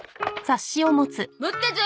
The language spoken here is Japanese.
持ったゾ。